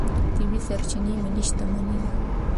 طبیعي سرچینې ملي شتمني ده.